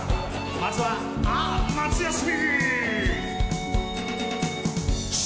まずは『あー夏休み』。